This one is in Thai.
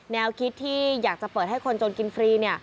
แนวคิดที่อยากจะเปิดให้คนจนกินฟรี